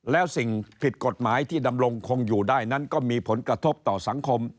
แล้วสิ่งผิดกฎหมายที่ดำรงคงอยู่ได้นั้นก็มีผลกระทบต่อสังคม